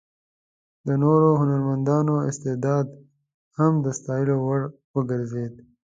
د نورو هنرمندانو استعداد هم د ستایلو وړ وګرځېد.